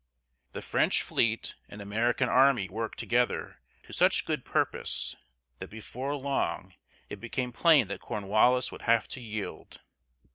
The French fleet and American army worked together to such good purpose that before long it became plain that Cornwallis would have to yield.